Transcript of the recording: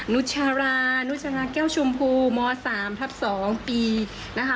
นุชรานุชราแก้วชมพูม๓ทับ๒ปีนะคะ